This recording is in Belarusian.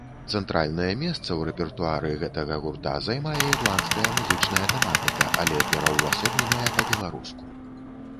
Цэнтральнае месца ў рэпертуары гэтага гурта займае ірландская музычная тэматыка, але пераўвасобленая па-беларуску.